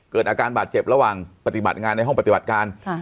เกิดอาการบาดเจ็บระหว่างปฏิบัติงานในห้องปฏิบัติการ